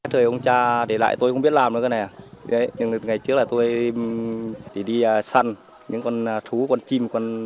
trời ông cha để lại tôi không biết làm nữa nè nhưng ngày trước là tôi đi săn những con thú con chim